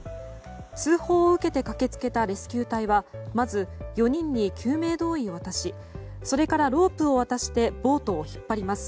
通報を受けて駆け付けたレスキュー隊はまず４人に救急胴衣を渡しそれからロープを渡してボートを引っ張ります。